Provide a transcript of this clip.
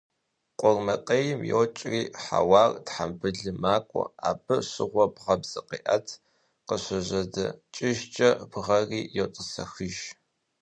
Къурмакъейм йокӀри хьэуар тхъэмбылым макӀуэ, абы щыгъуэ бгъэм зыкъеӀэт, къыщыжьэдэкӀыжкӀэ бгъэри йотӀысэхыж.